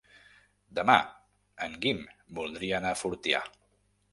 Demà en Guim voldria anar a Fortià.